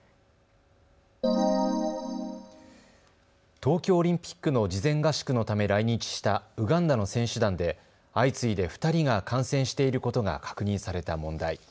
東京オリンピックの事前合宿のため来日したウガンダの選手団で相次いで２人が感染していることが確認された問題。